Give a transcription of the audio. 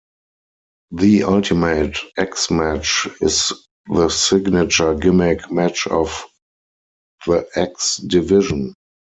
The Ultimate X match is the signature gimmick match of the X Division.